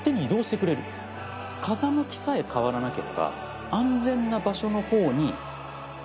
風向きさえ変わらなければ。